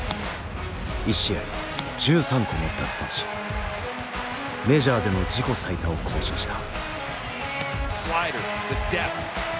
１試合１３個の奪三振メジャーでの自己最多を更新した。